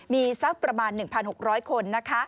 มีสักประมาณ๑๖๐๐คน